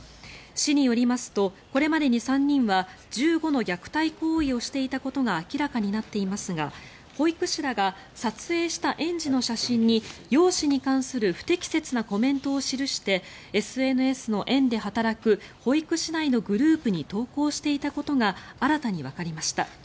市によりますとこれまでに３人は１５の虐待行為をしていたことが明らかになっていますが保育士らが撮影した園児の写真に容姿に関する不適切なコメントを記してＳＮＳの園で働く保育士内のグループに投稿していたことが新たにわかりました。